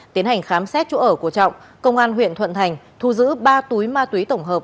tiến hành khám xét chỗ ở của trọng công an huyện thuận thành thu giữ ba túi ma túy tổng hợp